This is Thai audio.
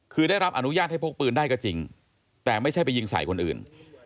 คือได้รับอนุญาตให้พกปืนได้ก็จริงแต่ไม่ใช่ไปยิงใส่คนอื่น